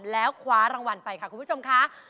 แล้วคว้ารางวัลไปค่ะคุณผู้ชมค่ะ